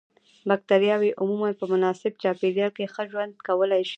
بکټریاوې عموماً په مناسب چاپیریال کې ښه ژوند کولای شي.